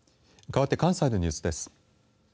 かわって関西のニュースです。